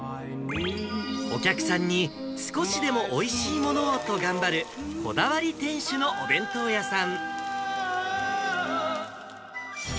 お客さんに少しでもおいしいものをと頑張る、こだわり店主のお弁当屋さん。